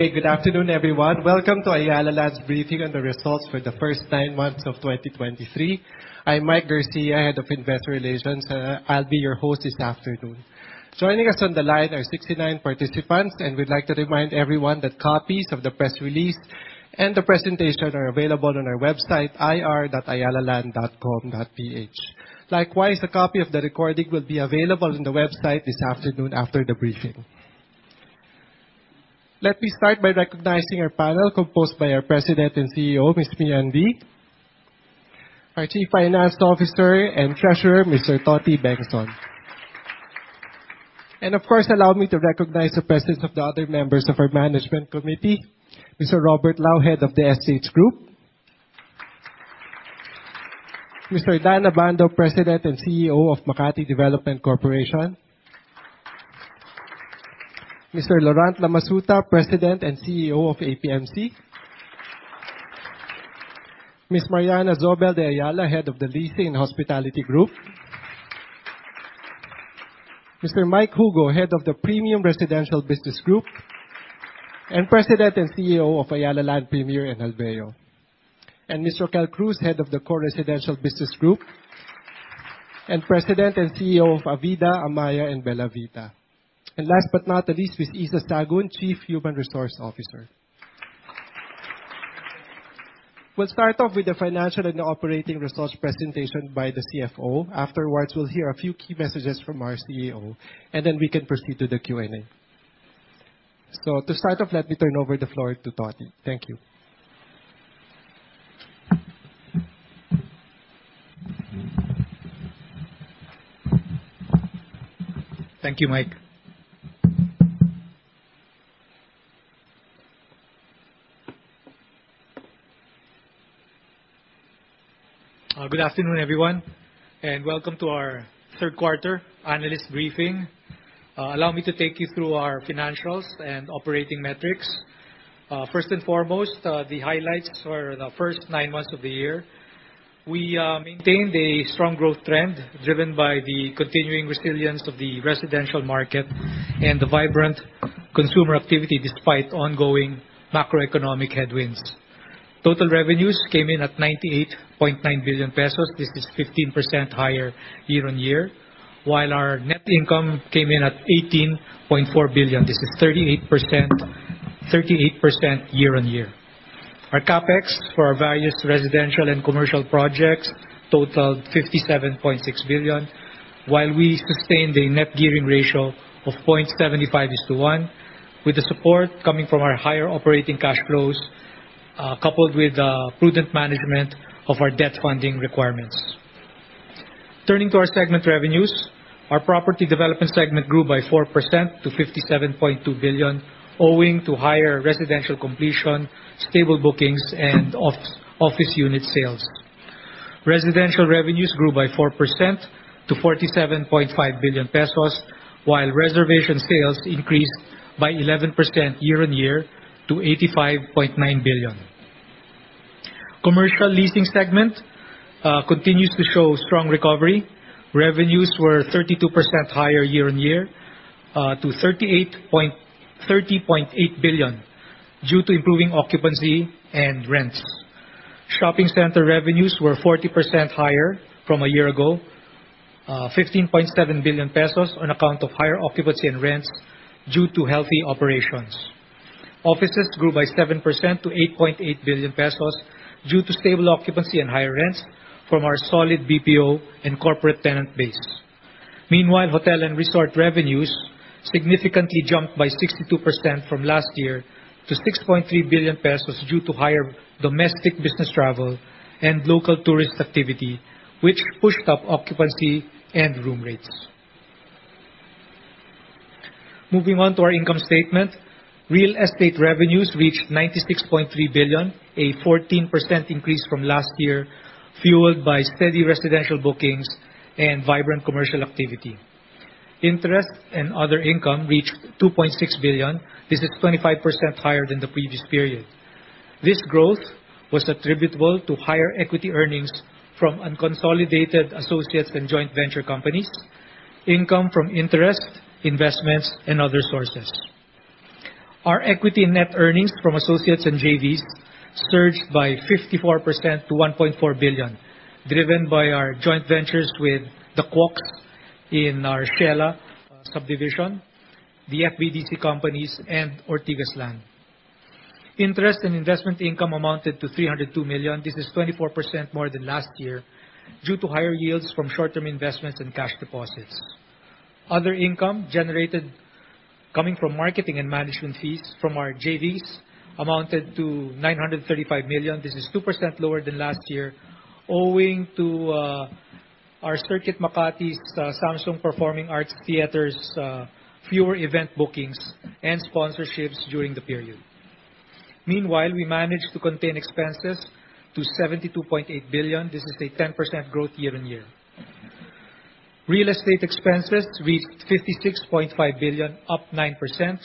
Good afternoon, everyone. Welcome to Ayala Land's briefing on the results for the first nine months of 2023. I'm Mike Garcia, head of Investor Relations. I'll be your host this afternoon. Joining us on the line are 69 participants, and we'd like to remind everyone that copies of the press release and the presentation are available on our website, ir.ayalaland.com.ph. Likewise, a copy of the recording will be available on the website this afternoon after the briefing. Let me start by recognizing our panel composed by our President and CEO, Mianee. Our Chief Finance Officer and Treasurer, Mr. Toti Bengzon. Allow me to recognize the presence of the other members of our management committee, Mr. Robert Lao, head of the SH Group. Mr. Dante Abando, President and CEO of Makati Development Corporation. Mr. Laurent Lamasuta, President and CEO of APMC. Miss Mariana Zobel de Ayala, head of the Leasing Hospitality Group. Mr. Mike Jugo, head of the Premium Residential Business Group and President and CEO of Ayala Land Premier and Alveo. Mr. Cal Cruz, head of the Core Residential Business Group and President and CEO of Avida, Amaia, and BellaVita. Last but not least, Miss Iza Sagun, Chief Human Resources Officer. We'll start off with the financial and operating results presentation by the CFO. Afterwards, we'll hear a few key messages from our CEO, and then we can proceed to the Q&A. To start off, let me turn over the floor to Toti. Thank you. Thank you, Mike. Good afternoon, everyone, and welcome to our third quarter analyst briefing. Allow me to take you through our financials and operating metrics. First and foremost, the highlights for the first nine months of the year. We maintained a strong growth trend driven by the continuing resilience of the residential market and the vibrant consumer activity despite ongoing macroeconomic headwinds. Total revenues came in at 98.9 billion pesos. This is 15% higher year-on-year, while our net income came in at 18.4 billion. This is 38% year-on-year. Our CapEx for our various residential and commercial projects totaled 57.6 billion, while we sustained a net gearing ratio of 0.75:1, with the support coming from our higher operating cash flows, coupled with prudent management of our debt funding requirements. Turning to our segment revenues, our property development segment grew by 4% to 57.2 billion, owing to higher residential completion, stable bookings, and office unit sales. Residential revenues grew by 4% to 47.5 billion pesos, while reservation sales increased by 11% year-on-year to 85.9 billion. Commercial leasing segment continues to show strong recovery. Revenues were 32% higher year-on-year to 30.8 billion due to improving occupancy and rents. Shopping center revenues were 40% higher from a year ago, 15.7 billion pesos on account of higher occupancy and rents due to healthy operations. Offices grew by 7% to 8.8 billion pesos due to stable occupancy and higher rents from our solid BPO and corporate tenant base. Meanwhile, hotel and resort revenues significantly jumped by 62% from last year to 6.3 billion pesos due to higher domestic business travel and local tourist activity, which pushed up occupancy and room rates. Moving on to our income statement. Real estate revenues reached 96.3 billion, a 14% increase from last year, fueled by steady residential bookings and vibrant commercial activity. Interest and other income reached 2.6 billion. This is 25% higher than the previous period. This growth was attributable to higher equity earnings from unconsolidated associates and joint venture companies, income from interest, investments, and other sources. Our equity net earnings from associates and JVs surged by 54% to 1.4 billion, driven by our joint ventures with the Kuok Group in our Ciela subdivision, the FBTC companies, and Ortigas Land. Interest and investment income amounted to 302 million. This is 24% more than last year due to higher yields from short-term investments and cash deposits. Other income generated coming from marketing and management fees from our JVs amounted to 935 million. This is 2% lower than last year, owing to our Circuit Makati's Samsung Performing Arts Theater's fewer event bookings and sponsorships during the period. Meanwhile, we managed to contain expenses to 72.8 billion. This is a 10% growth year-over-year. Real estate expenses reached 56.5 billion, up 9%,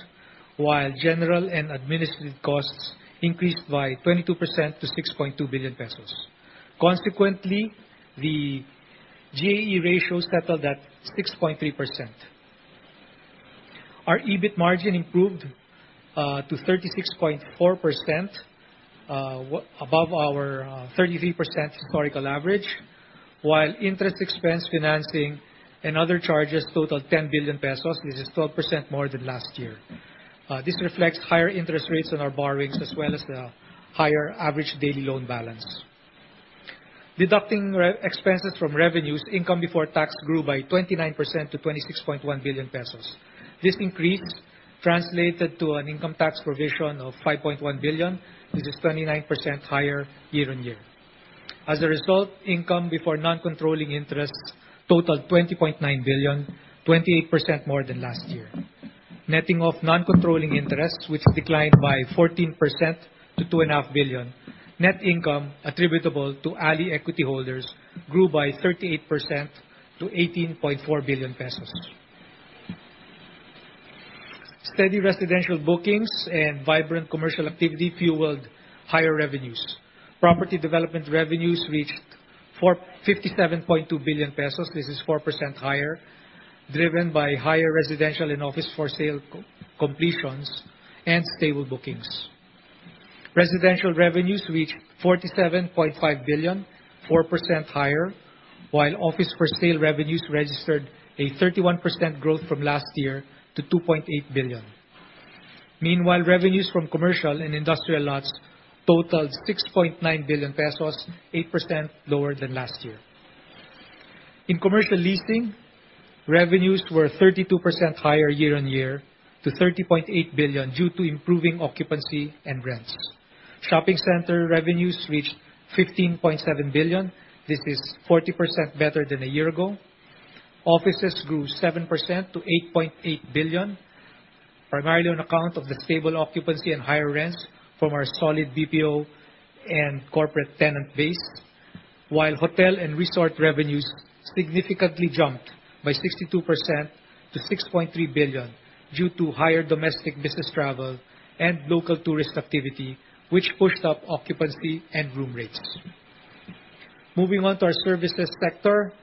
while general and administrative costs increased by 22% to 6.2 billion pesos. Consequently, the GAE ratio settled at 6.3%. Our EBIT margin improved to 36.4%, above our 33% historical average, while interest expense financing and other charges totaled 10 billion pesos. This is 12% more than last year. This reflects higher interest rates on our borrowings, as well as the higher average daily loan balance. Deducting expenses from revenues, income before tax grew by 29% to 26.1 billion pesos. This increase translated to an income tax provision of 5.1 billion. This is 29% higher year-over-year. As a result, income before non-controlling interests totaled 20.9 billion, 28% more than last year. Netting off non-controlling interests, which declined by 14% to 2.5 billion, net income attributable to ALI equity holders grew by 38% to 18.4 billion pesos. Steady residential bookings and vibrant commercial activity fueled higher revenues. Property development revenues reached 57.2 billion pesos. This is 4% higher, driven by higher residential and office for sale completions and stable bookings. Residential revenues reached 47.5 billion, 4% higher, while office for sale revenues registered a 31% growth from last year to 2.8 billion. Meanwhile, revenues from commercial and industrial lots totaled 6.9 billion pesos, 8% lower than last year. In commercial leasing, revenues were 32% higher year-over-year to 30.8 billion due to improving occupancy and rents. Shopping center revenues reached 15.7 billion. This is 40% better than a year ago. Offices grew 7% to 8.8 billion, primarily on account of the stable occupancy and higher rents from our solid BPO and corporate tenant base, while hotel and resort revenues significantly jumped by 62% to 6.3 billion due to higher domestic business travel and local tourist activity, which pushed up occupancy and room rates. Moving on to our services sector,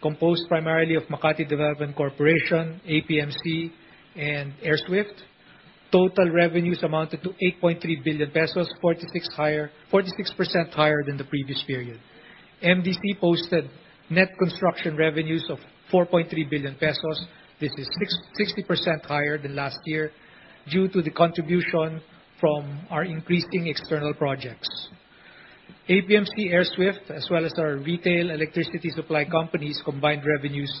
composed primarily of Makati Development Corporation, APMC, and AirSWIFT. Total revenues amounted to 8.3 billion pesos, 46% higher than the previous period. MDC posted net construction revenues of 4.3 billion pesos. This is 60% higher than last year due to the contribution from our increasing external projects. APMC-Airswift, as well as our retail electricity supply companies' combined revenues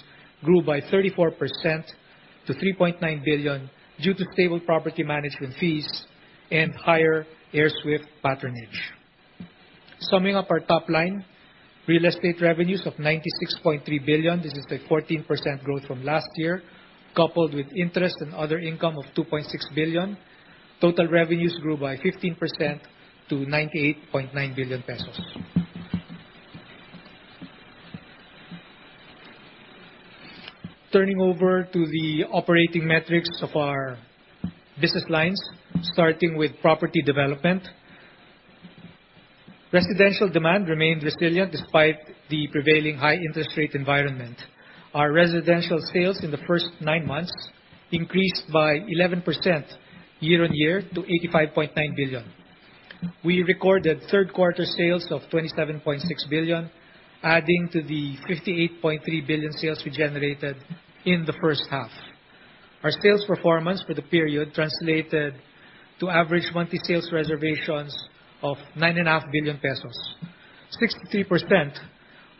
grew by 34% to 3.9 billion due to stable property management fees and higher Airswift patronage. Summing up our top line, real estate revenues of 96.3 billion. This is a 14% growth from last year, coupled with interest and other income of 2.6 billion. Total revenues grew by 15% to 98.9 billion pesos. Turning over to the operating metrics of our business lines, starting with property development. Residential demand remained resilient despite the prevailing high interest rate environment. Our residential sales in the first nine months increased by 11% year-over-year to 85.9 billion. We recorded third quarter sales of 27.6 billion, adding to the 58.3 billion sales we generated in the first half. Our sales performance for the period translated to average monthly sales reservations of 9.5 billion pesos. 63%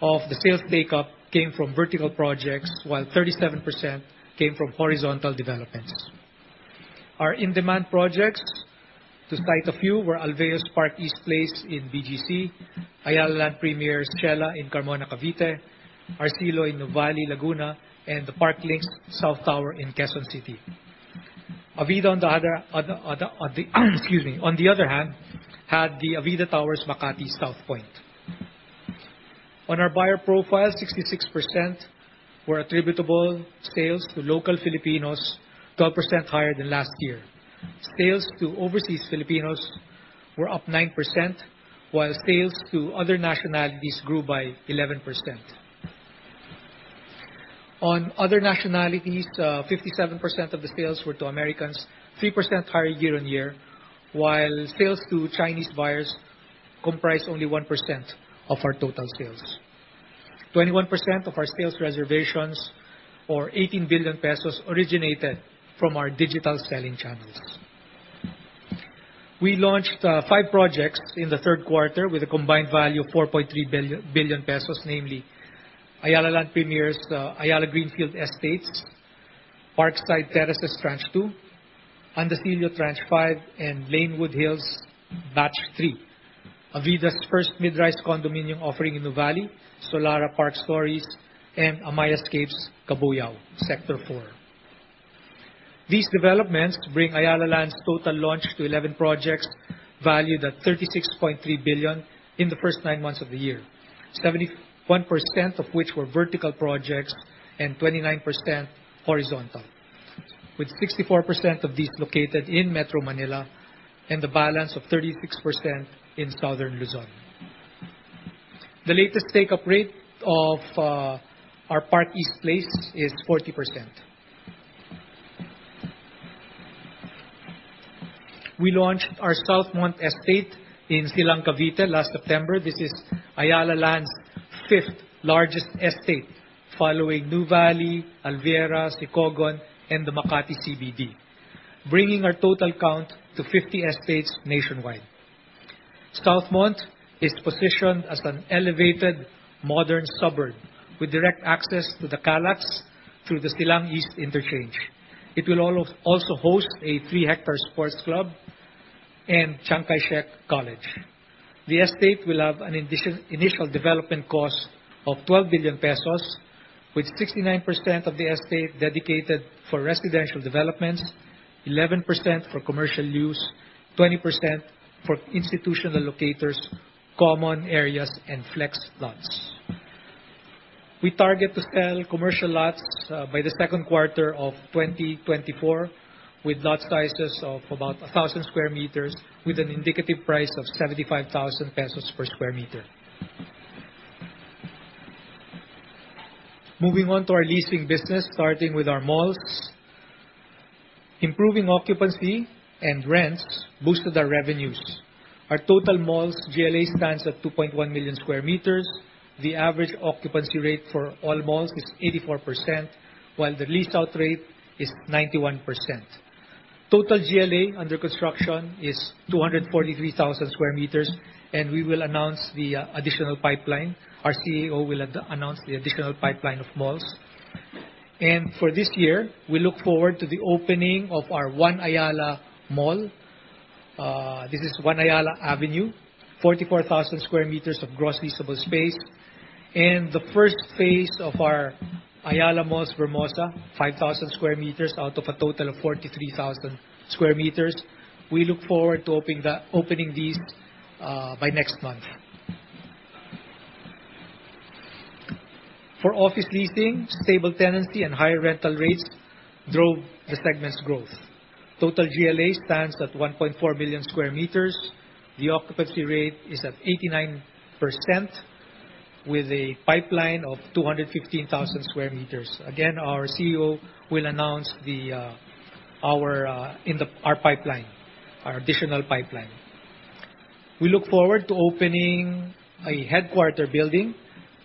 of the sales take-up came from vertical projects, while 37% came from horizontal developments. Our in-demand projects, to cite a few, were Alveo's Park East Place in BGC, Ayala Land Premier's Ciela in Carmona, Cavite, Arcilo in Nuvali, Laguna, and the Parklinks South Tower in Quezon City. Excuse me. On the other hand, had the Avida Towers Makati Southpoint. On our buyer profile, 66% were attributable sales to local Filipinos, 12% higher than last year. Sales to overseas Filipinos were up 9%, while sales to other nationalities grew by 11%. On other nationalities, 57% of the sales were to Americans, 3% higher year-over-year, while sales to Chinese buyers comprised only 1% of our total sales. 21% of our sales reservations, or 18 billion pesos, originated from our digital selling channels. We launched five projects in the third quarter with a combined value of 4.3 billion, namely Ayala Land Premier's Ayala Greenfield Estates, Park Terraces Tranche 2, Andacillo Tranche 5, and Lanewood Hills Batch 3, Avida's first mid-rise condominium offering in Nuvali, Solara Park Storeys, and Amaia Scapes Cabuyao, Sector 4. These developments bring Ayala Land's total launch to 11 projects valued at 36.3 billion in the first nine months of the year, 71% of which were vertical projects and 29% horizontal. With 64% of these located in Metro Manila and the balance of 36% in Southern Luzon. The latest take-up rate of our Park East Place is 40%. We launched our Southmont Estate in Silang, Cavite last September. This is Ayala Land's fifth largest estate following Nuvali, Alviera, Sicogon, and the Makati CBD, bringing our total count to 50 estates nationwide. Southmont is positioned as an elevated modern suburb with direct access to the CALAX through the Silang East Interchange. It will also host a 3-hectare sports club and Chiang Kai Shek College. The estate will have an initial development cost of 12 billion pesos, with 69% of the estate dedicated for residential developments, 11% for commercial use, 20% for institutional locators, common areas, and flex lots. We target to sell commercial lots by the second quarter of 2024 with lot sizes of about 1,000 sq m with an indicative price of 75,000 pesos per sq m. Moving on to our leasing business, starting with our malls. Improving occupancy and rents boosted our revenues. Our total malls GLA stands at 2.1 million sq m. The average occupancy rate for all malls is 84%, while the lease-out rate is 91%. Total GLA under construction is 243,000 sq m and our CEO will announce the additional pipeline of malls. For this year, we look forward to the opening of our One Ayala Mall. This is One Ayala Avenue, 44,000 sq m of gross leasable space, and the first phase of our Ayala Malls Vermosa, 5,000 sq m out of a total of 43,000 sq m. We look forward to opening these by next month. For office leasing, stable tenancy and higher rental rates drove the segment's growth. Total GLA stands at 1.4 million sq m. The occupancy rate is at 89% with a pipeline of 215,000 sq m. Our CEO will announce our additional pipeline. We look forward to opening a headquarter building,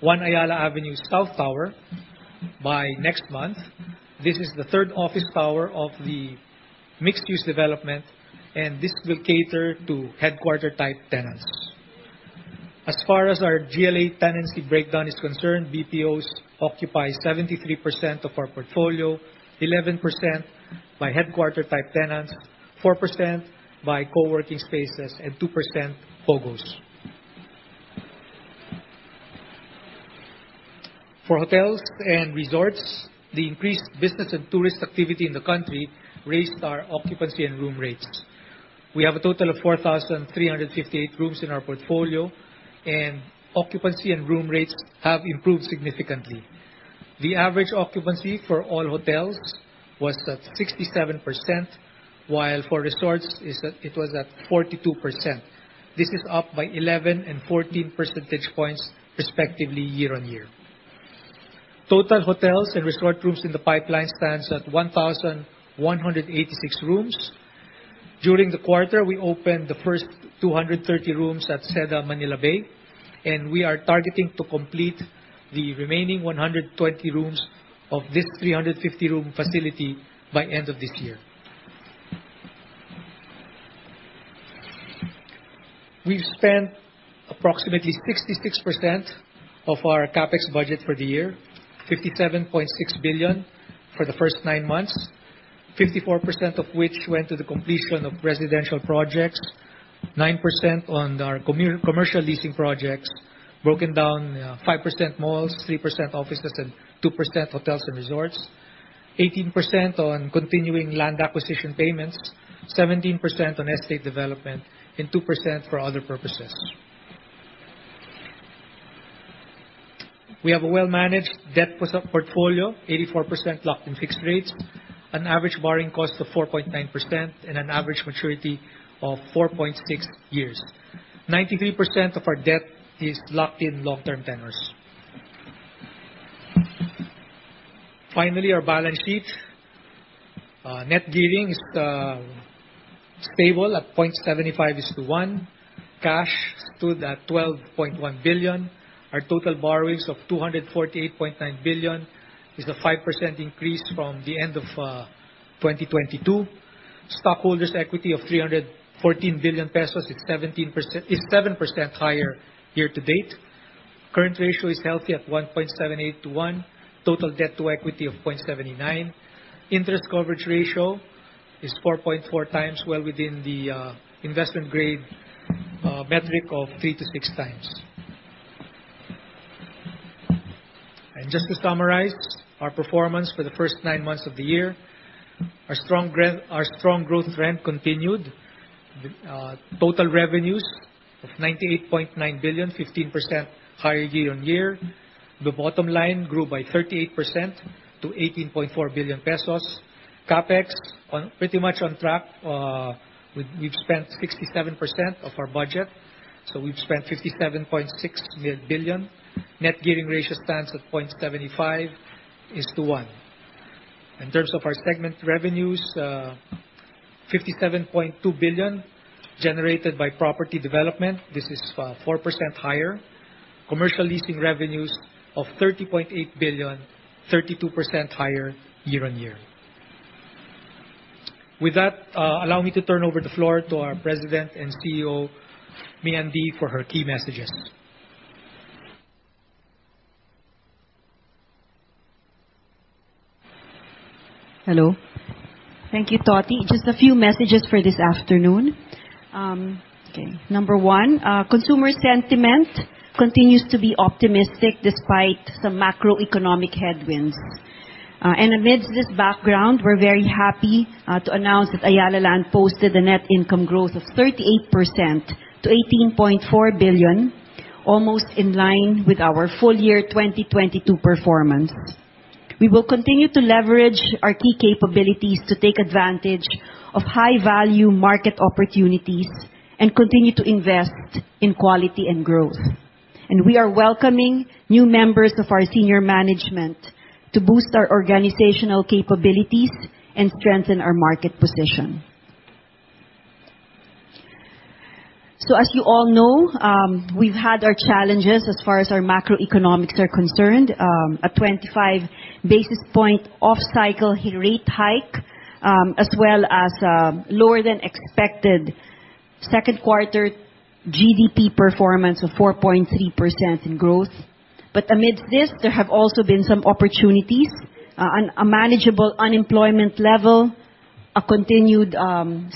One Ayala Avenue South Tower, by next month. This is the third office tower of the mixed-use development, and this will cater to headquarter-type tenants. As far as our GLA tenancy breakdown is concerned, BPOs occupy 73% of our portfolio, 11% by headquarter-type tenants, 4% by co-working spaces, and 2% POGOs. For hotels and resorts, the increased business and tourist activity in the country raised our occupancy and room rates. We have a total of 4,358 rooms in our portfolio, and occupancy and room rates have improved significantly. The average occupancy for all hotels was at 67%, while for resorts, it was at 42%. This is up by 11 and 14 percentage points, respectively, year-over-year. Total hotels and resort rooms in the pipeline stands at 1,186 rooms. During the quarter, we opened the first 230 rooms at Seda Manila Bay, and we are targeting to complete the remaining 120 rooms of this 350-room facility by end of this year. We've spent approximately 66% of our CapEx budget for the year, 57.6 billion for the first nine months, 54% of which went to the completion of residential projects, 9% on our commercial leasing projects, broken down 5% malls, 3% offices, and 2% hotels and resorts, 18% on continuing land acquisition payments, 17% on estate development, and 2% for other purposes. We have a well-managed debt portfolio, 84% locked in fixed rates, an average borrowing cost of 4.9%, and an average maturity of 4.6 years. 93% of our debt is locked in long-term tenors. Our balance sheet. Net gearing is stable at 0.75:1. Cash stood at 12.1 billion. Our total borrowings of 248.9 billion is a 5% increase from the end of 2022. Stockholders' equity of 314 billion pesos is 7% higher year to date. Current ratio is healthy at 1.78:1. Total debt to equity of 0.79. Interest coverage ratio is 4.4 times, well within the investment grade metric of three to six times. Just to summarize our performance for the first nine months of the year, our strong growth trend continued. The total revenues of 98.9 billion, 15% higher year-over-year. The bottom line grew by 38% to 18.4 billion pesos. CapEx pretty much on track. We've spent 67% of our budget, so we've spent 57.6 billion. Net gearing ratio stands at 0.75:1. In terms of our segment revenues, 57.2 billion generated by property development. This is 4% higher. Commercial leasing revenues of 30.8 billion, 32% higher year-over-year. Allow me to turn over the floor to our President and CEO, Meean, for her key messages. Hello. Thank you, Toti. Just a few messages for this afternoon. Number 1, consumer sentiment continues to be optimistic despite some macroeconomic headwinds. Amidst this background, we are very happy to announce that Ayala Land posted a net income growth of 38% to 18.4 billion, almost in line with our full year 2022 performance. We will continue to leverage our key capabilities to take advantage of high-value market opportunities and continue to invest in quality and growth. We are welcoming new members of our senior management to boost our organizational capabilities and strengthen our market position. As you all know, we have had our challenges as far as our macroeconomics are concerned. A 25 basis point off-cycle rate hike, as well as lower than expected second quarter GDP performance of 4.3% in growth. Amidst this, there have also been some opportunities: a manageable unemployment level, a continued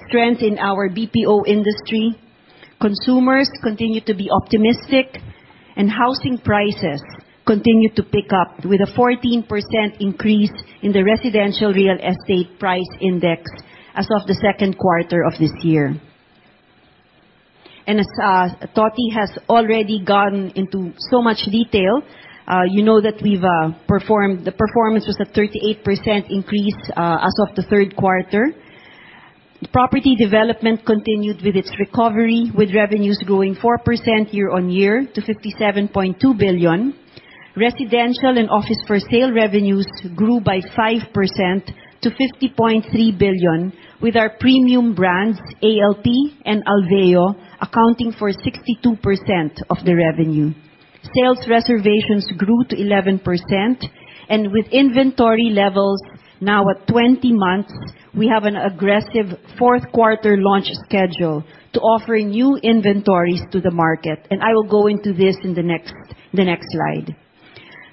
strength in our BPO industry, consumers continue to be optimistic, and housing prices continue to pick up with a 14% increase in the residential real estate price index as of the second quarter of this year. As Toti has already gone into so much detail, you know that the performance was a 38% increase as of the third quarter. Property development continued with its recovery, with revenues growing 4% year-on-year to 57.2 billion. Residential and office for sale revenues grew by 5% to 50.3 billion, with our premium brands ALP and Alveo accounting for 62% of the revenue. Sales reservations grew to 11%, and with inventory levels now at 20 months, we have an aggressive fourth quarter launch schedule to offer new inventories to the market. I will go into this in the next slide.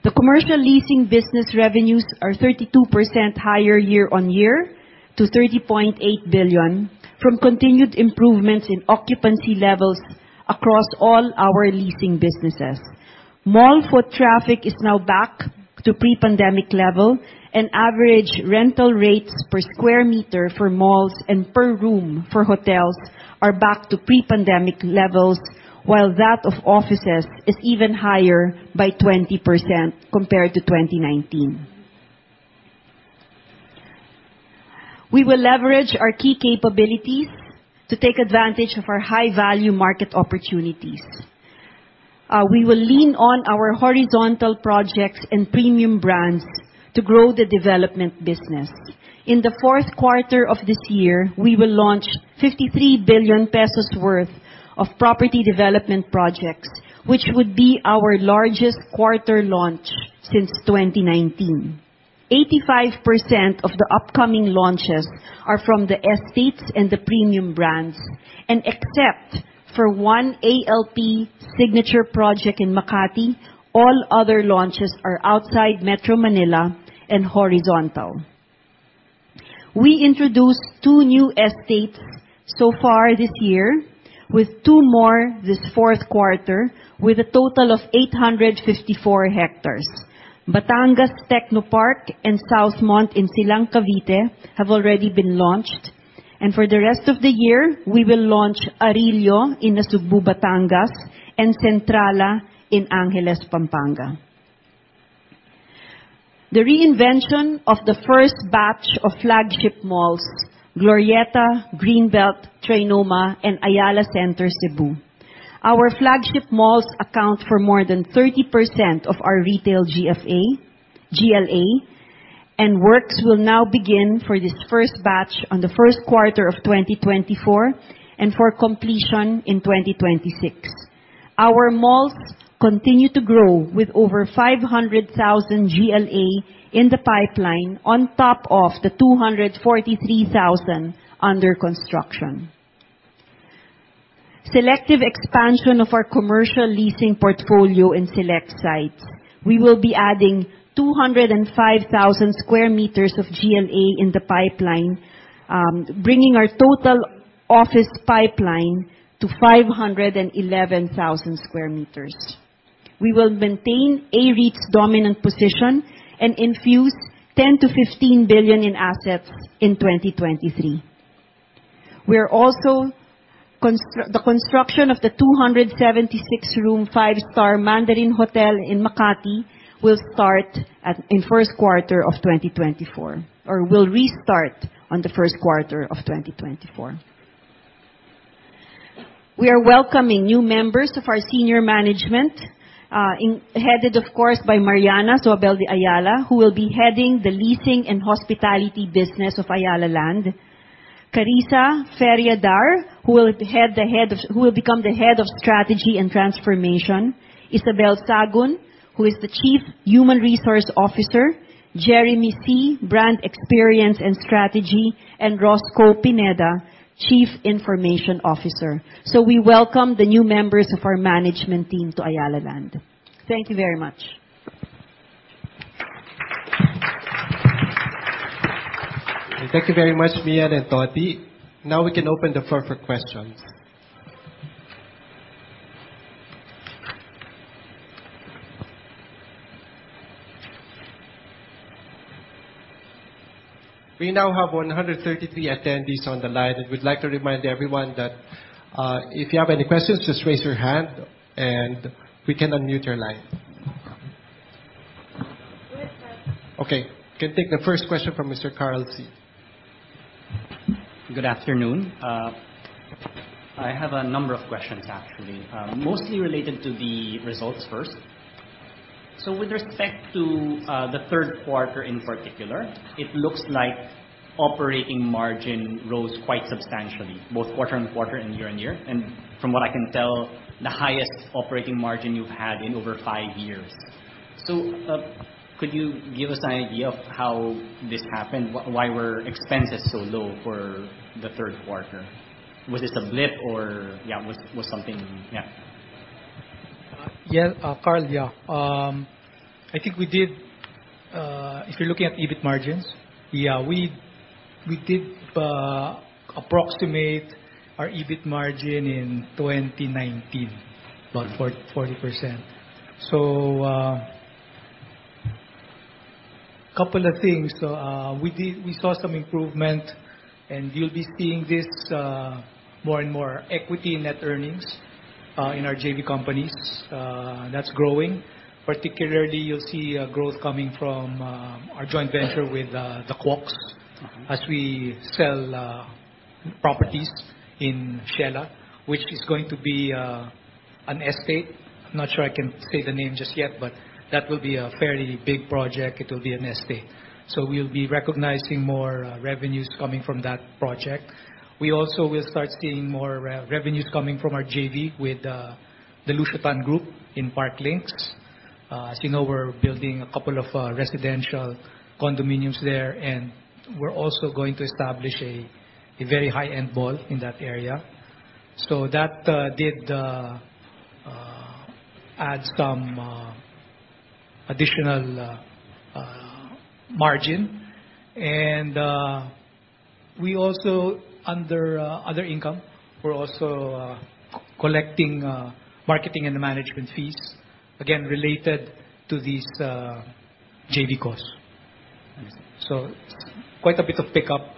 The commercial leasing business revenues are 32% higher year-on-year to 30.8 billion from continued improvements in occupancy levels across all our leasing businesses. Mall foot traffic is now back to pre-pandemic level, and average rental rates per square meter for malls and per room for hotels are back to pre-pandemic levels, while that of offices is even higher by 20% compared to 2019. We will leverage our key capabilities to take advantage of our high-value market opportunities. We will lean on our horizontal projects and premium brands to grow the development business. In the fourth quarter of this year, we will launch 53 billion pesos worth of property development projects, which would be our largest quarter launch since 2019. 85% of the upcoming launches are from the estates and the premium brands, except for 1 ALP Signature project in Makati, all other launches are outside Metro Manila and horizontal. We introduced 2 new estates so far this year, with 2 more this fourth quarter, with a total of 854 hectares. Batangas Technopark and Southmont in Silang, Cavite have already been launched, and for the rest of the year, we will launch Arillo in Nasugbu, Batangas, and Centrala in Angeles, Pampanga. The reinvention of the first batch of flagship malls, Glorietta, Greenbelt, TriNoma, and Ayala Center Cebu. Our flagship malls account for more than 30% of our retail GLA, and works will now begin for this first batch on the first quarter of 2024, and for completion in 2026. Our malls continue to grow with over 500,000 GLA in the pipeline on top of the 243,000 under construction. Selective expansion of our commercial leasing portfolio in select sites. We will be adding 205,000 square meters of GLA in the pipeline, bringing our total office pipeline to 511,000 square meters. We will maintain AREIT's dominant position and infuse 10 billion to 15 billion in assets in 2023. The construction of the 276-room five-star Mandarin Oriental, Manila in Makati will start in first quarter of 2024, or will restart on the first quarter of 2024. We are welcoming new members of our senior management, headed, of course, by Mariana Zobel de Ayala, who will be heading the Leasing and Hospitality business of Ayala Land. Carissa Feria-Darre, who will become the Head of Strategy and Transformation. Isabel D. Sagun, who is the Chief Human Resources Officer. Jeremy Sy, Brand Experience and Strategy, and Roscoe Pineda, Chief Information Officer. We welcome the new members of our management team to Ayala Land. Thank you very much. Thank you very much, Mia and Toti. We can open the floor for questions. We now have 133 attendees on the line, and we'd like to remind everyone that if you have any questions, just raise your hand and we can unmute your line. Go ahead, Carl. Can take the first question from Mr. Carl See. Good afternoon. I have a number of questions actually, mostly related to the results first. With respect to the third quarter in particular, it looks like operating margin rose quite substantially, both quarter-over-quarter and year-over-year. From what I can tell, the highest operating margin you've had in over five years. Could you give us an idea of how this happened? Why were expenses so low for the third quarter? Was this a blip or was it something? Carl, if you're looking at EBIT margins, we did approximate our EBIT margin in 2019, about 40%. A couple of things. We saw some improvement and you'll be seeing this more and more equity net earnings in our JV companies. That's growing. Particularly, you'll see a growth coming from our joint venture with the Kuok's as we sell properties in Ciela, which is going to be an estate. I'm not sure I can say the name just yet, but that will be a fairly big project. It will be an estate. We'll be recognizing more revenues coming from that project. We also will start seeing more revenues coming from our JV with the Lucio Tan Group in Parklinks. As you know, we're building a couple of residential condominiums there, and we're also going to establish a very high-end mall in that area. That did add some additional margin. Under other income, we're also collecting marketing and management fees, again, related to these JV costs. I see. Quite a bit of pickup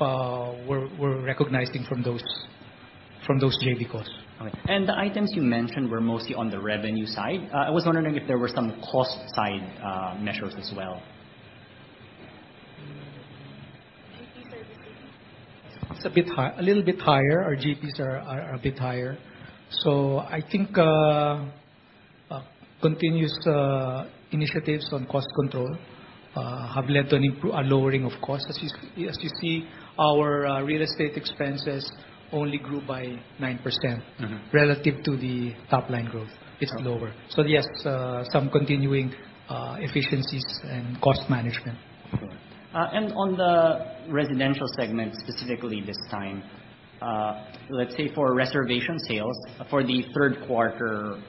we're recognizing from those JV costs. Okay. The items you mentioned were mostly on the revenue side. I was wondering if there were some cost side measures as well. GP services. It's a little bit higher. Our GPs are a bit higher. I think continuous initiatives on cost control have led to a lowering of costs. As you see, our real estate expenses only grew by 9% relative to the top-line growth. It's lower. Yes, some continuing efficiencies and cost management. Sure. On the residential segment, specifically this time, let's say for reservation sales for the third quarter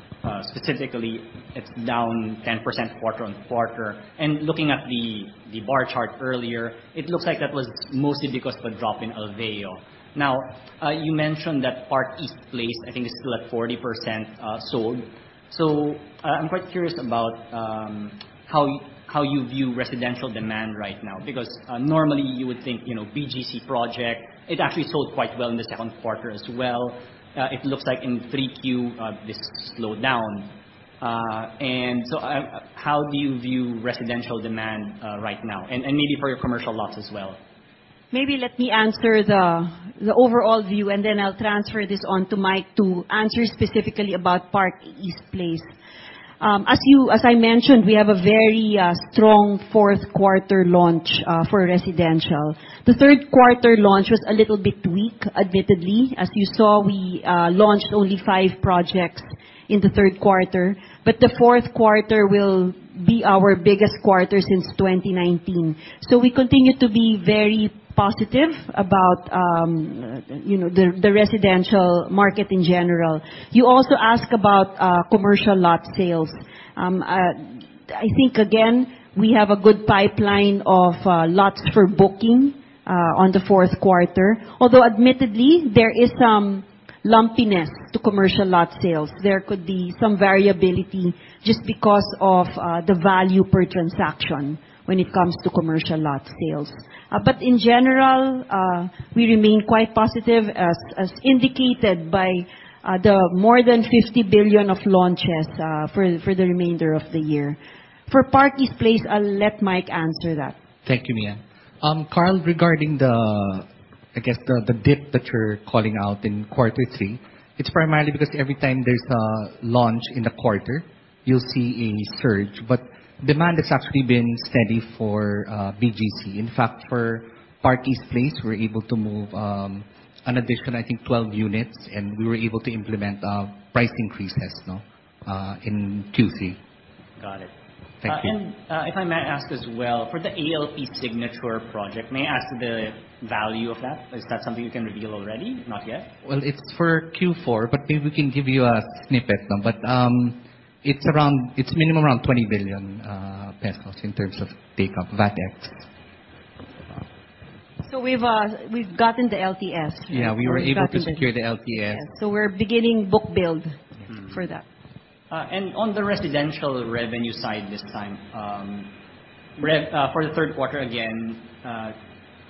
specifically, it's down 10% quarter-on-quarter. Looking at the bar chart earlier, it looks like that was mostly because of a drop in Alveo. Now, you mentioned that Park East Place, I think is still at 40% sold. I'm quite curious about how you view residential demand right now, because normally you would think BGC project, it actually sold quite well in the second quarter as well. It looks like in 3Q this slowed down. How do you view residential demand right now? And maybe for your commercial lots as well? Maybe let me answer the overall view, and then I'll transfer this on to Mike to answer specifically about Park East Place. As I mentioned, we have a very strong fourth quarter launch for residential. The third quarter launch was a little bit weak, admittedly. As you saw, we launched only five projects in the third quarter, but the fourth quarter will be our biggest quarter since 2019. We continue to be very positive about the residential market in general. You also ask about commercial lot sales. I think, again, we have a good pipeline of lots for booking on the fourth quarter. Although admittedly, there is some lumpiness to commercial lot sales. There could be some variability just because of the value per transaction when it comes to commercial lot sales. In general, we remain quite positive as indicated by the more than 50 billion of launches for the remainder of the year. For Park East Place, I'll let Mike answer that. Thank you, Mia. Carl, regarding the dip that you're calling out in quarter three, it's primarily because every time there's a launch in the quarter, you'll see a surge. Demand has actually been steady for BGC. In fact, for Park East Place, we're able to move an additional, I think, 12 units, and we were able to implement price increases in Q3. Got it. Thank you. If I may ask as well, for the ALP Signature project, may I ask the value of that? Is that something you can reveal already? Not yet? Well, it's for Q4, maybe we can give you a snippet. It's minimum around 20 billion pesos in terms of takeup, VAT ex. We've gotten the LTS. Yeah, we were able to secure the LTS. We're beginning book build for that. On the residential revenue side this time. For the third quarter, again,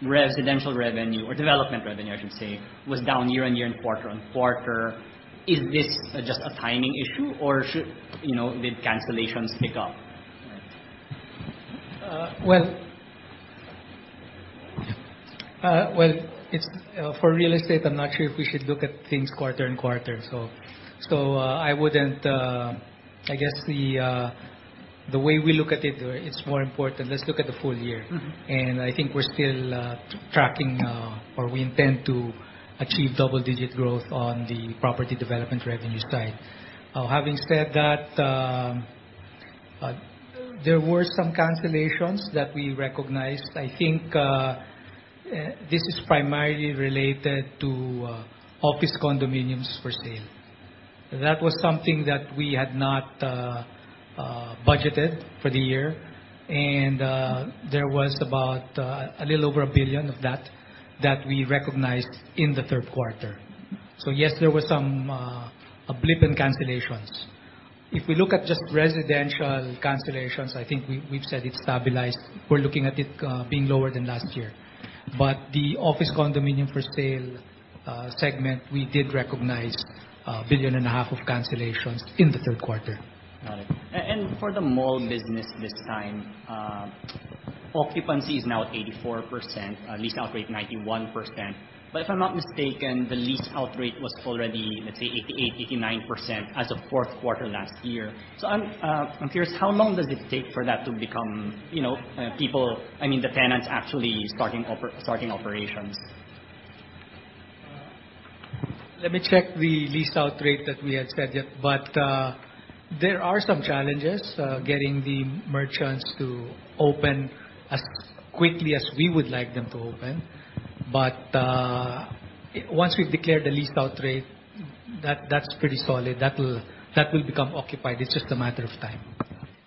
residential revenue or development revenue, I should say, was down year-over-year and quarter-over-quarter. Is this just a timing issue, or did cancellations pick up? Well, for real estate, I'm not sure if we should look at things quarter-over-quarter. I guess the way we look at it's more important. Let's look at the full year. I think we're still tracking or we intend to achieve double-digit growth on the property development revenues side. Having said that, there were some cancellations that we recognized. I think this is primarily related to office condominiums for sale. That was something that we had not budgeted for the year, and there was about a little over a billion PHP of that that we recognized in the third quarter. Yes, there was a blip in cancellations. If we look at just residential cancellations, I think we've said it's stabilized. We're looking at it being lower than last year. The office condominium for sale segment, we did recognize a billion and a half PHP of cancellations in the third quarter. Got it. For the mall business this time, occupancy is now at 84%, lease outrate 91%. If I'm not mistaken, the lease outrate was already, let's say, 88%, 89% as of fourth quarter last year. I'm curious, how long does it take for that to become the tenants actually starting operations? Let me check the lease out rate that we had said, yeah. There are some challenges getting the merchants to open as quickly as we would like them to open. Once we've declared the lease out rate, that's pretty solid. That will become occupied. It's just a matter of time.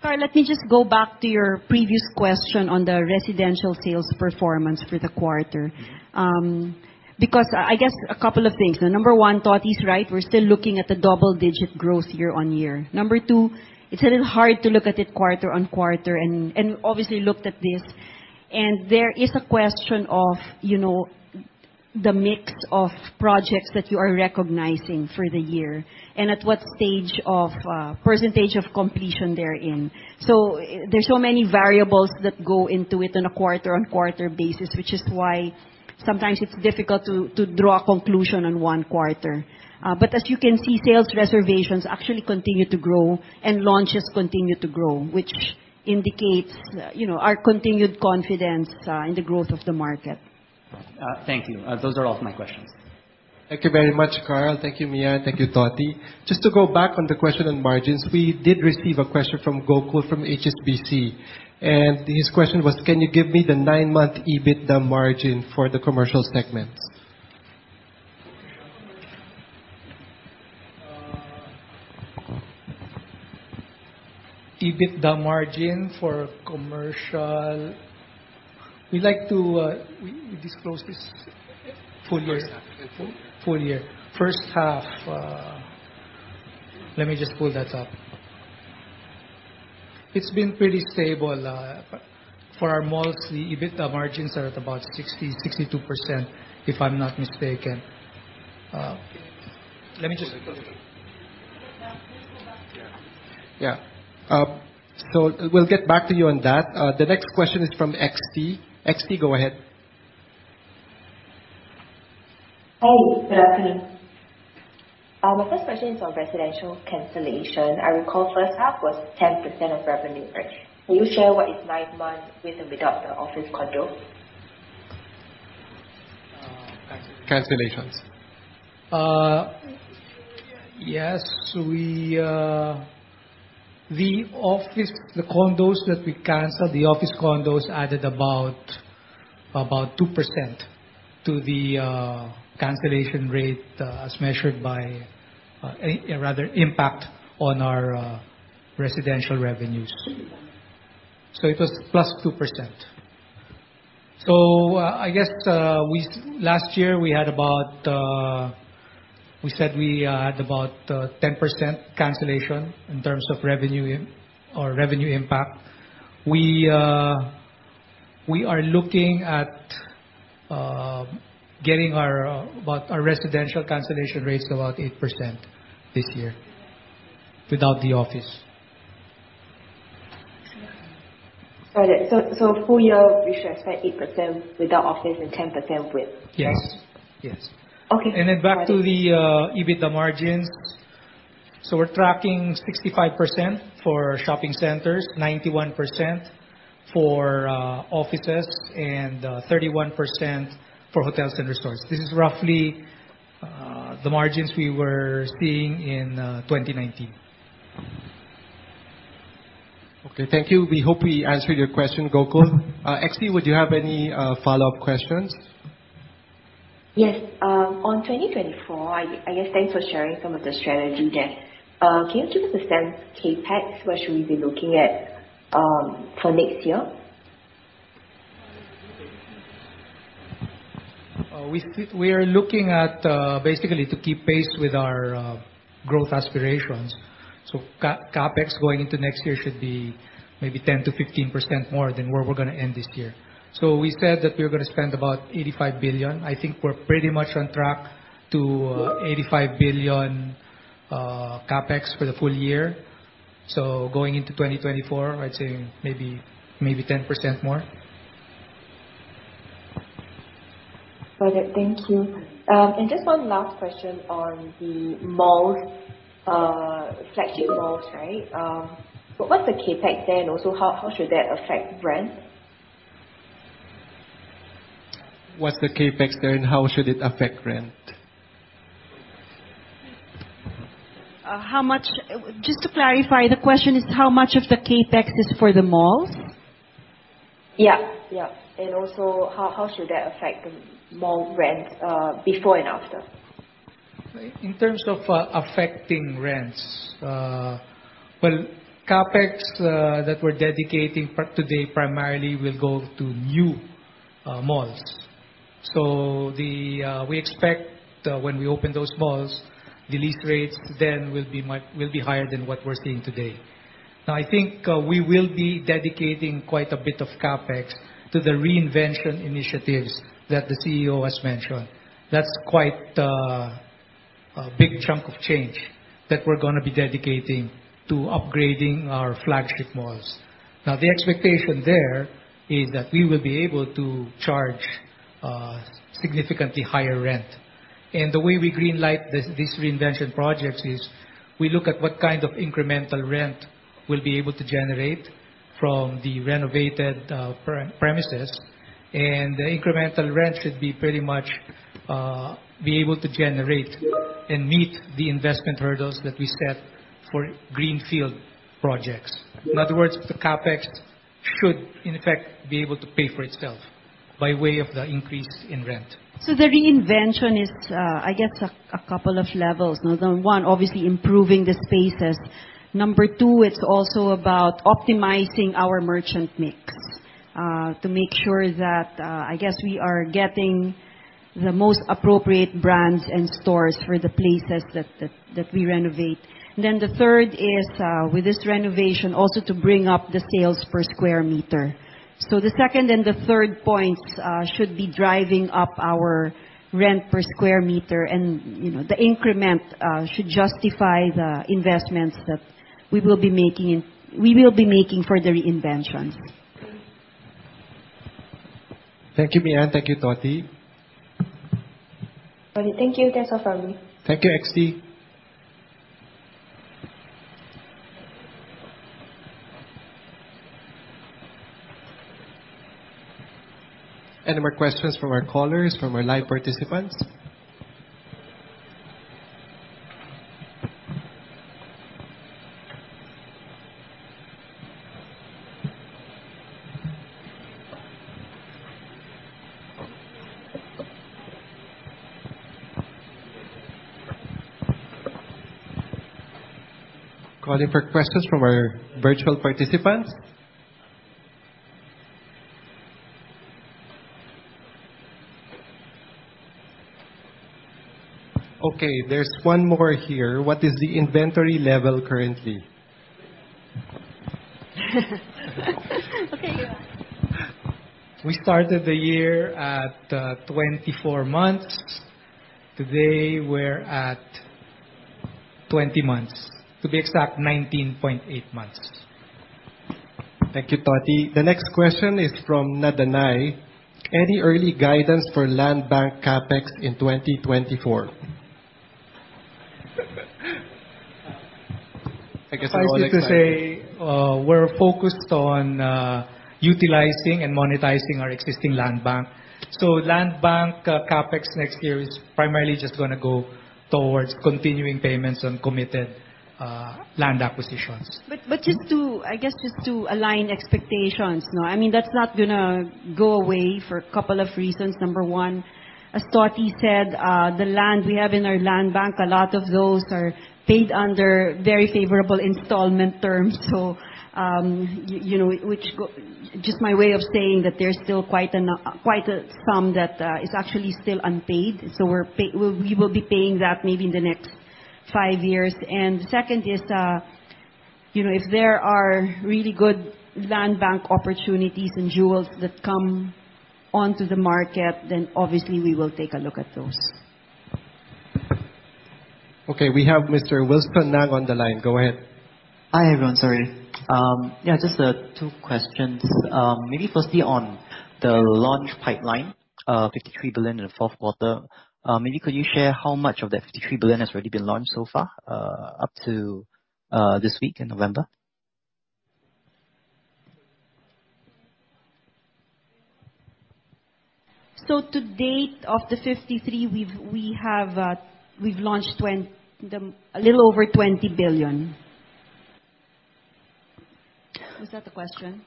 Carl, let me just go back to your previous question on the residential sales performance for the quarter. I guess a couple of things. Number one, Toti's right, we're still looking at a double-digit growth year-on-year. Number two, it's a little hard to look at it quarter-on-quarter, and obviously looked at this, and there is a question of the mix of projects that you are recognizing for the year and at what percentage of completion they're in. There's so many variables that go into it on a quarter-on-quarter basis, which is why sometimes it's difficult to draw a conclusion on one quarter. As you can see, sales reservations actually continue to grow and launches continue to grow, which indicates our continued confidence in the growth of the market. Thank you. Those are all my questions. Thank you very much, Carl. Thank you, Mia. Thank you, Toti. Just to go back on the question on margins, we did receive a question from Gokul from HSBC, his question was: Can you give me the nine-month EBITDA margin for the commercial segments? EBITDA margin for commercial. We disclose this full year. Yes. Full year. First half, let me just pull that up. It's been pretty stable. For our malls, the EBITDA margins are at about 60%, 62%, if I'm not mistaken. Please go back. Yeah. We'll get back to you on that. The next question is from XT. XT, go ahead. Hi, good afternoon. My first question is on residential cancellation. I recall first half was 10% of revenue, right? Can you share what is nine months with or without the office condo? Cancelations. Yes. The office condos that we canceled added about 2% to the cancellation rate as measured by rather impact on our residential revenues. It was plus 2%. I guess last year we said we had about 10% cancellation in terms of revenue or revenue impact. We are looking at getting our residential cancellation rates about 8% this year without the office. Got it. Full year, we should expect 8% without office and 10% with. Yes. Okay. Back to the EBITDA margins. We're tracking 65% for shopping centers, 91% for offices, and 31% for hotels and resorts. This is roughly the margins we were seeing in 2019. Okay, thank you. We hope we answered your question, Gokul. XT, would you have any follow-up questions? Yes. On 2024, I guess thanks for sharing some of the strategy there. Can you give us the CapEx, where should we be looking at for next year? We are looking at basically to keep pace with our growth aspirations. CapEx going into next year should be maybe 10%-15% more than where we're going to end this year. We said that we were going to spend about 85 billion. I think we're pretty much on track to 85 billion CapEx for the full year. Going into 2024, I'd say maybe 10% more. Got it. Thank you. Just one last question on the flagship malls. What's the CapEx there, and also how should that affect rent? What's the CapEx there, how should it affect rent? Just to clarify, the question is how much of the CapEx is for the malls? Yeah. Also how should that affect the mall rent before and after? In terms of affecting rents. Well, CapEx that we're dedicating today primarily will go to new malls. We expect when we open those malls, the lease rates then will be higher than what we're seeing today. Now, I think we will be dedicating quite a bit of CapEx to the reinvention initiatives that the CEO has mentioned. That's quite a big chunk of change that we're going to be dedicating to upgrading our flagship malls. Now, the expectation there is that we will be able to charge significantly higher rent. The way we green-light these reinvention projects is we look at what kind of incremental rent we'll be able to generate from the renovated premises, and the incremental rent should be pretty much be able to generate and meet the investment hurdles that we set for greenfield projects. In other words, the CapEx should in effect, be able to pay for itself by way of the increase in rent. The reinvention is I guess a couple of levels. Number 1, obviously improving the spaces. Number 2, it's also about optimizing our merchant mix to make sure that I guess we are getting the most appropriate brands and stores for the places that we renovate. The third is with this renovation also to bring up the sales per square meter. The second and the third points should be driving up our rent per square meter and the increment should justify the investments that we will be making for the reinventions. Thank you, Mianee. Thank you, Toti. Thank you. Thanks, everybody. Thank you, XT. Any more questions from our callers, from our live participants? Calling for questions from our virtual participants. There's one more here. What is the inventory level currently? Okay. We started the year at 24 months. Today, we're at 20 months. To be exact, 19.8 months. Thank you, Toti. The next question is from Nadilai. Any early guidance for land bank CapEx in 2024? I guess I will just say we're focused on utilizing and monetizing our existing land bank. Land bank CapEx next year is primarily just going to go towards continuing payments on committed land acquisitions. Just to align expectations. That's not going to go away for a couple of reasons. Number one, as Toti said, the land we have in our land bank, a lot of those are paid under very favorable installment terms, which just my way of saying that there's still quite a sum that is actually still unpaid. We will be paying that maybe in the next five years. The second is if there are really good land bank opportunities and jewels that come onto the market, then obviously we will take a look at those. Okay. We have Mr. Wilson Ng on the line. Go ahead. Hi, everyone. Sorry. Just two questions. Maybe firstly on the launch pipeline, 53 billion in the fourth quarter. Maybe could you share how much of that 53 billion has already been launched so far up to this week in November? To date, of the 53, we've launched a little over 20 billion. Was that the question?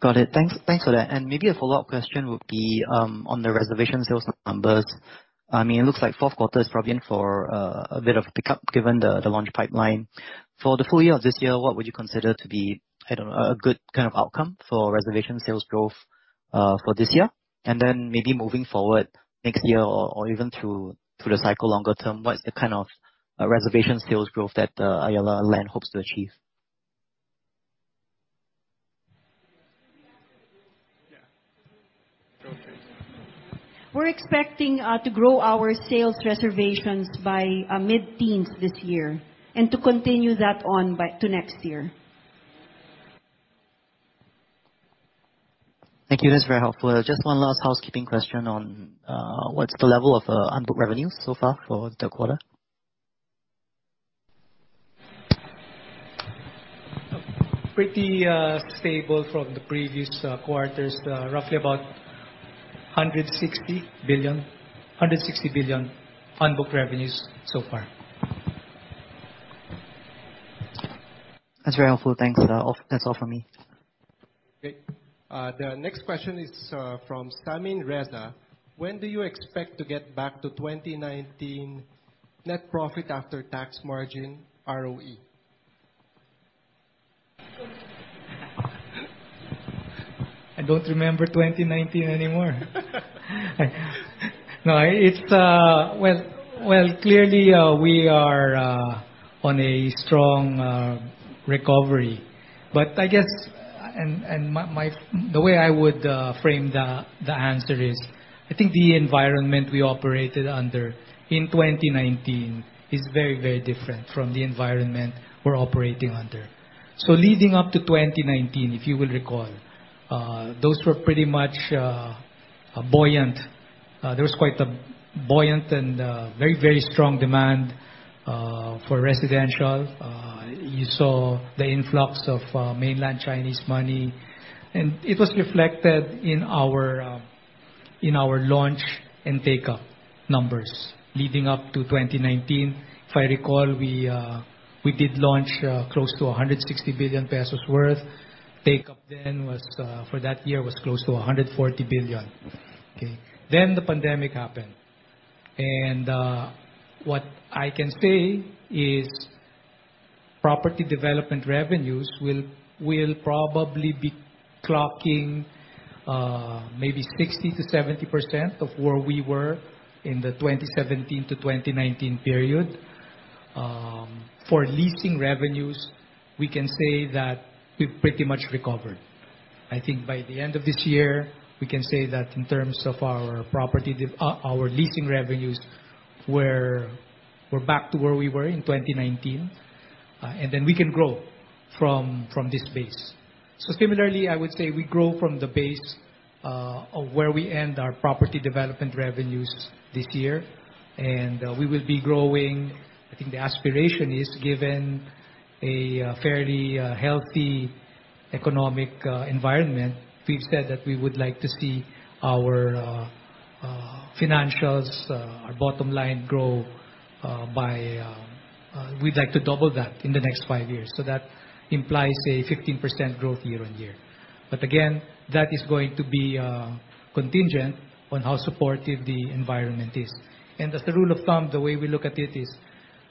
Got it. Thanks for that. Maybe a follow-up question would be on the reservation sales numbers. It looks like fourth quarter is probably in for a bit of a pickup given the launch pipeline. For the full year of this year, what would you consider to be a good kind of outcome for reservation sales growth for this year? Then maybe moving forward next year or even through the cycle longer term, what's the kind of reservation sales growth that Ayala Land hopes to achieve? We're expecting to grow our sales reservations by mid-teens this year and to continue that on to next year. Thank you. That's very helpful. Just one last housekeeping question on what's the level of unbooked revenues so far for the quarter? Pretty stable from the previous quarters. Roughly about 160 billion unbooked revenues so far. That's very helpful. Thanks. That's all from me. The next question is from Samin Reza. When do you expect to get back to 2019 net profit after tax margin ROE? I don't remember 2019 anymore. Well, clearly we are on a strong recovery. I guess the way I would frame the answer is, I think the environment we operated under in 2019 is very different from the environment we're operating under. Leading up to 2019, if you will recall, those were pretty much buoyant. There was quite a buoyant and very strong demand for residential. You saw the influx of mainland Chinese money, and it was reflected in our launch and take-up numbers leading up to 2019. If I recall, we did launch close to 160 billion pesos worth. Take-up then for that year was close to 140 billion. Okay? The pandemic happened. What I can say is property development revenues will probably be clocking maybe 60%-70% of where we were in the 2017 to 2019 period. For leasing revenues, we can say that we've pretty much recovered. I think by the end of this year, we can say that in terms of our leasing revenues, we're back to where we were in 2019. We can grow from this base. Similarly, I would say we grow from the base of where we end our property development revenues this year, and we will be growing. I think the aspiration is given a fairly healthy economic environment. We've said that we would like to see our financials our bottom line grow. We'd like to double that in the next five years. That implies a 15% growth year-on-year. Again, that is going to be contingent on how supportive the environment is. As the rule of thumb, the way we look at it is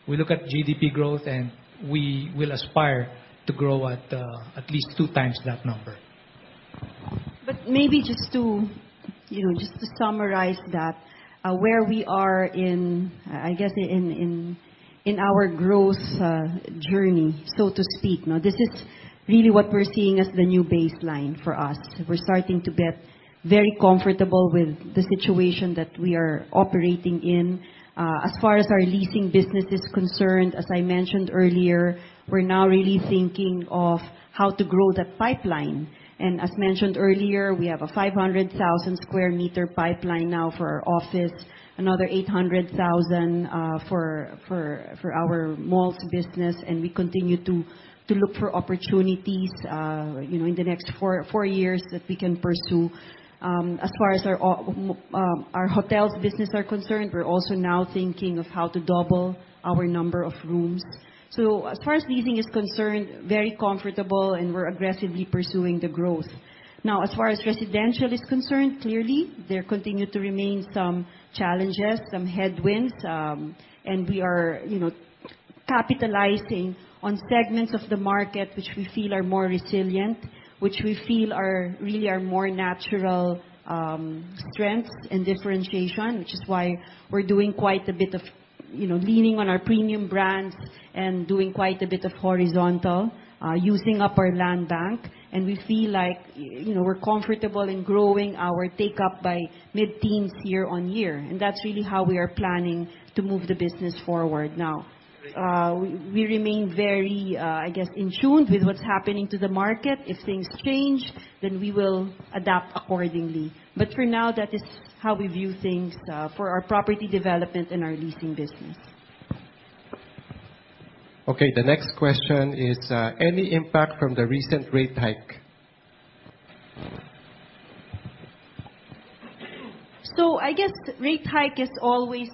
we look at GDP growth, and we will aspire to grow at least two times that number. Maybe just to summarize that where we are in our growth journey, so to speak. This is really what we're seeing as the new baseline for us. We're starting to get very comfortable with the situation that we are operating in. As far as our leasing business is concerned, as I mentioned earlier, we're now really thinking of how to grow that pipeline. As mentioned earlier, we have a 500,000 sq m pipeline now for our office, another 800,000 for our malls business, and we continue to look for opportunities in the next four years that we can pursue. As far as our hotels business is concerned, we're also now thinking of how to double our number of rooms. As far as leasing is concerned, very comfortable, and we're aggressively pursuing the growth. As far as residential is concerned, clearly, there continue to remain some challenges, some headwinds, and we are capitalizing on segments of the market which we feel are more resilient, which we feel are really our more natural strengths and differentiation, which is why we're leaning on our premium brands and doing quite a bit of horizontal using up our land bank. We feel like we're comfortable in growing our take-up by mid-teens year-on-year. That's really how we are planning to move the business forward now. We remain very in tune with what's happening to the market. If things change, then we will adapt accordingly. For now, that is how we view things for our property development and our leasing business. The next question is: Any impact from the recent rate hike? I guess rate hike is always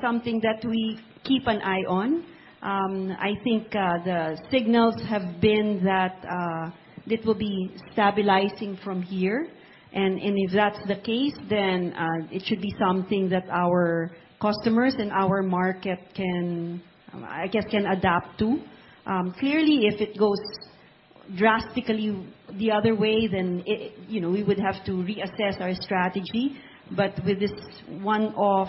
something that we keep an eye on. I think the signals have been that it will be stabilizing from here, and if that's the case, then it should be something that our customers and our market can adapt to. Clearly, if it goes drastically the other way, then we would have to reassess our strategy. With this one-off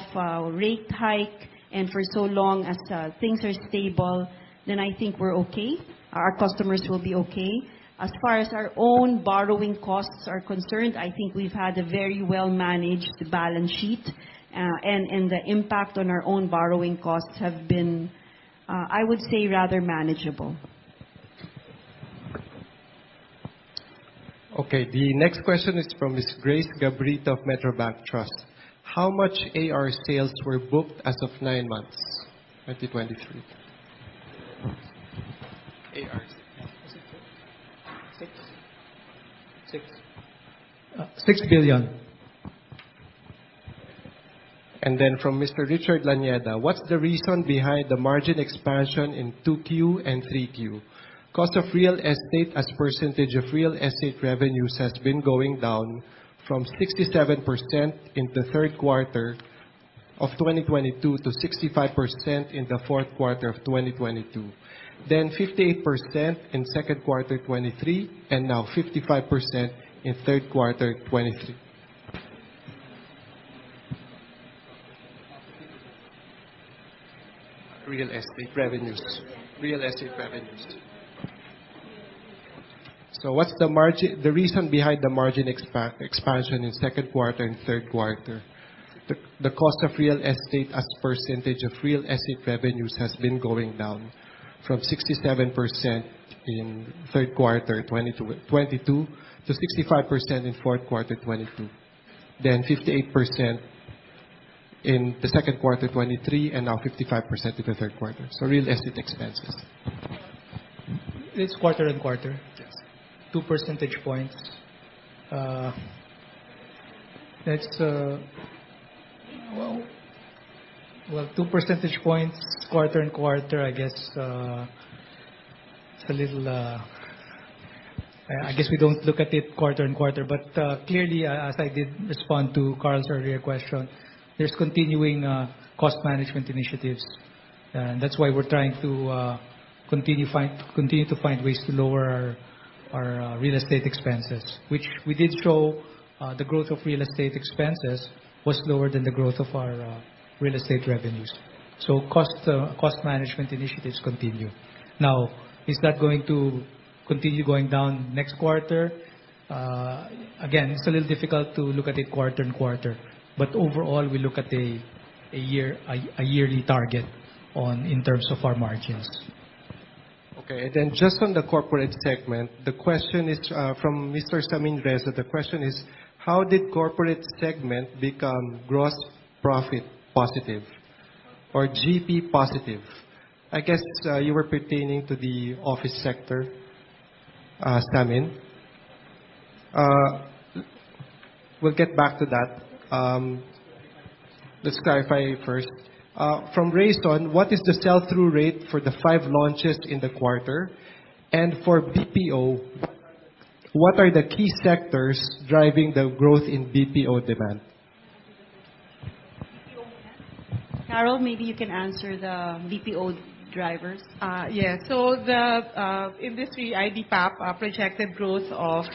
rate hike, and for so long as things are stable, then I think we're okay. Our customers will be okay. As far as our own borrowing costs are concerned, I think we've had a very well-managed balance sheet, and the impact on our own borrowing costs have been, I would say, rather manageable. Okay. The next question is from Ms. Grace Gabrita of Metrobank Trust. How much AR sales were booked as of nine months 2023? AR sales. Was it six? Six. Six. PHP 6 billion. From Mr. Richard Lanyada: What's the reason behind the margin expansion in 2Q and 3Q? Cost of real estate as percentage of real estate revenues has been going down from 67% in the third quarter 2022 to 65% in the fourth quarter 2022, then 58% in second quarter 2023, and now 55% in third quarter 2023. Real estate revenues. Real estate revenues. What's the reason behind the margin expansion in second quarter and third quarter? The cost of real estate as percentage of real estate revenues has been going down from 67% in third quarter 2022 to 65% in fourth quarter 2022, then 58% in the second quarter 2023, and now 55% in the third quarter. Real estate expenses. It's quarter and quarter. Yes. Two percentage points. Well, two percentage points quarter-on-quarter, I guess we don't look at it quarter-on-quarter. Clearly, as I did respond to Carl's earlier question, there's continuing cost management initiatives. That's why we're trying to continue to find ways to lower our real estate expenses, which we did show the growth of real estate expenses was lower than the growth of our real estate revenues. Cost management initiatives continue. Now, is that going to continue going down next quarter? Again, it's a little difficult to look at it quarter-on-quarter. Overall, we look at a yearly target in terms of our margins. Just on the corporate segment, the question is from Mr. Samin Reza. The question is: How did corporate segment become gross profit positive or GP positive? I guess you were pertaining to the office sector, Samin. We'll get back to that. Let's clarify first. From Raceton: What is the sell-through rate for the five launches in the quarter? For BPO, what are the key sectors driving the growth in BPO demand? Carol, maybe you can answer the BPO drivers. Yes. The industry, IBPAP, projected growth of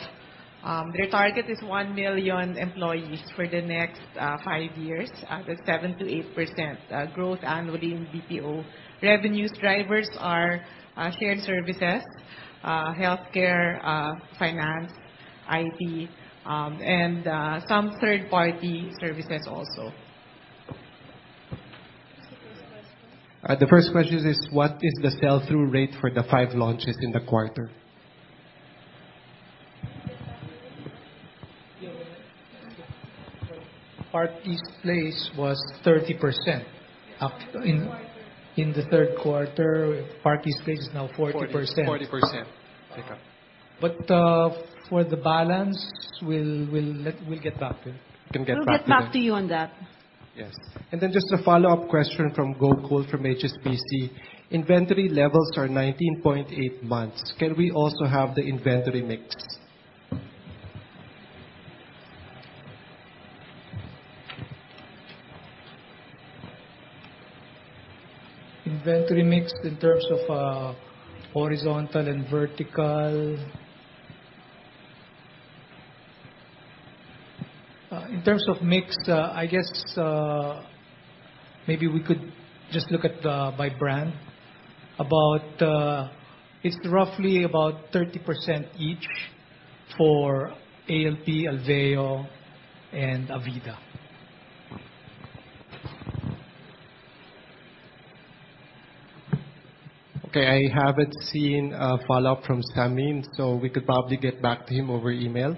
their target is 1 million employees for the next 5 years at a 7%-8% growth annually in BPO. Revenue drivers are shared services, healthcare, finance, IT, and some third-party services also. What's the first question? The first question is, what is the sell-through rate for the five launches in the quarter? Park East Place was 30%. In the third quarter, Park East Place is now 40%. 40%. Okay. For the balance, we'll get back to you. We can get back to you. We'll get back to you on that. Yes. Then just a follow-up question from Gokul from HSBC. Inventory levels are 19.8 months. Can we also have the inventory mix? Inventory mix in terms of horizontal and vertical? In terms of mix, I guess maybe we could just look at by brand. It is roughly about 30% each for ALP, Alveo, and Avida. Okay, I haven't seen a follow-up from Samin. We could probably get back to him over email.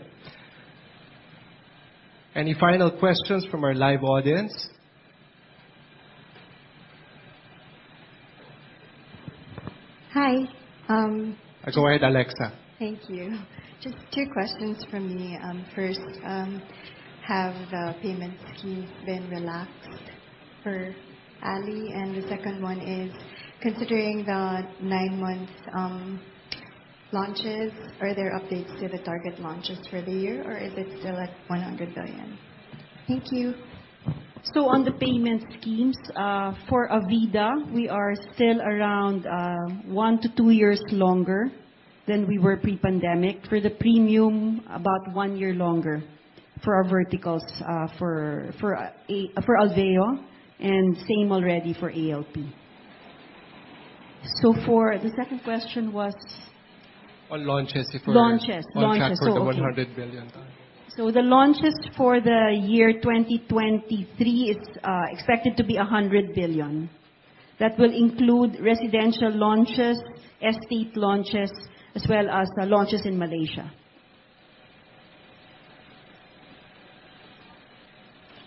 Any final questions from our live audience? Hi. Go ahead, Alexa. Thank you. Just two questions from me. First, have the payment schemes been relaxed for ALI? The second one is, considering the nine months launches, are there updates to the target launches for the year, or is it still at 100 billion? Thank you. On the payment schemes, for Avida, we are still around one to two years longer than we were pre-pandemic. For the Premium, about one year longer for our verticals for Alveo, and same already for ALP. For the second question was? On launches if we're- Launches. On track for the PHP 100 billion? The launches for the year 2023, it's expected to be 100 billion. That will include residential launches, estate launches, as well as the launches in Malaysia.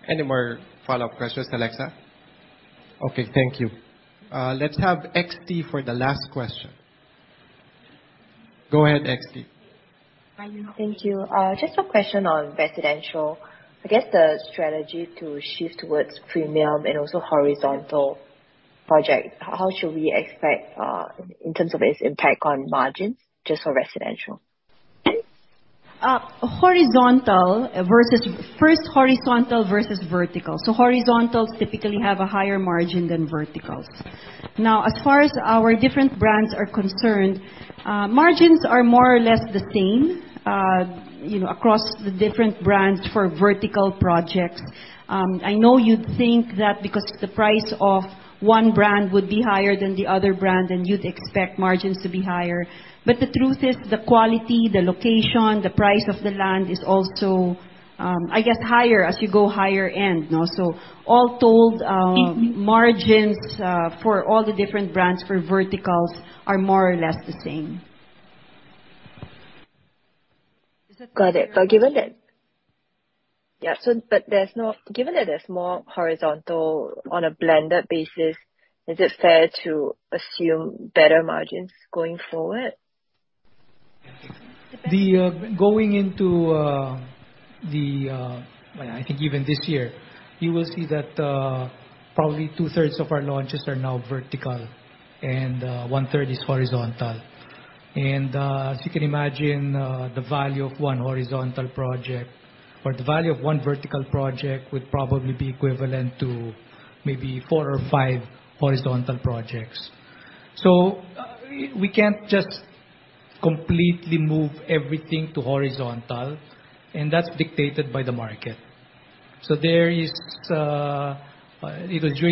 Any more follow-up questions, Alexa? Okay, thank you. Let's have XT for the last question. Go ahead, XT. Thank you. Just a question on residential. I guess the strategy to shift towards premium and also horizontal projects, how should we expect in terms of its impact on margins, just for residential? First, horizontal versus vertical. Horizontals typically have a higher margin than verticals. As far as our different brands are concerned, margins are more or less the same across the different brands for vertical projects. I know you'd think that because the price of one brand would be higher than the other brand, and you'd expect margins to be higher. The truth is, the quality, the location, the price of the land is also higher as you go higher end. All told, margins for all the different brands for verticals are more or less the same. Got it. Given that there's more horizontal on a blended basis, is it fair to assume better margins going forward? Going into, I think even this year, you will see that probably two-thirds of our launches are now vertical and one-third is horizontal. As you can imagine, the value of one vertical project would probably be equivalent to maybe four or five horizontal projects. We can't just completely move everything to horizontal, and that's dictated by the market. There is, during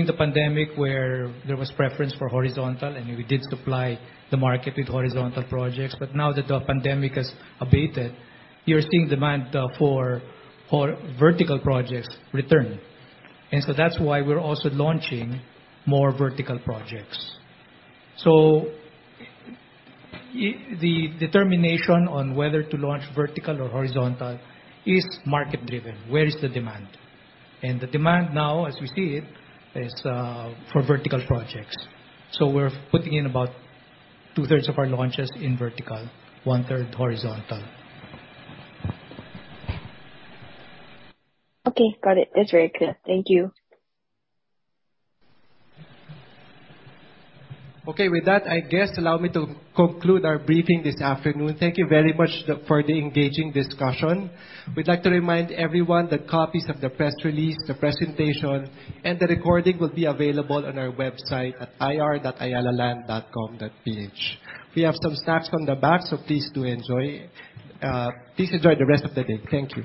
the pandemic where there was preference for horizontal, and we did supply the market with horizontal projects. Now that the pandemic has abated, you're seeing demand for vertical projects return. That's why we're also launching more vertical projects. The determination on whether to launch vertical or horizontal is market driven. Where is the demand? The demand now, as we see it, is for vertical projects. We're putting in about two-thirds of our launches in vertical, one-third horizontal. Okay, got it. That's very clear. Thank you. With that, I guess allow me to conclude our briefing this afternoon. Thank you very much for the engaging discussion. We'd like to remind everyone that copies of the press release, the presentation, and the recording will be available on our website at ir.ayalaland.com.ph. We have some snacks on the back, please do enjoy. Please enjoy the rest of the day. Thank you